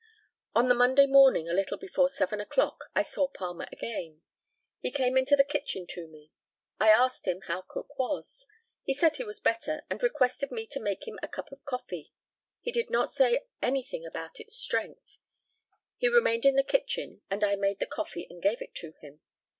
On the Monday morning, a little before seven o'clock, I saw Palmer again. He came into the kitchen to me. I asked him how Cook was. He said he was better, and requested me to make him a cup of coffee. He did not say anything about its strength. He remained in the kitchen, and I made the coffee and gave it to him.